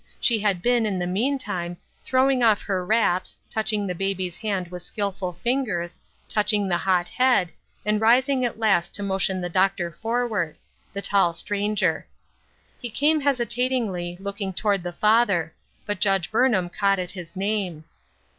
She had been, in the meantime, throwing off her wraps, touching the baby's hand with skillful fingers, touching the hot head, and rising at last to motion the Doctor forward — the tall stranger. He came hesitatingly, looking toward the father ; but Judge Burnham caught at his name.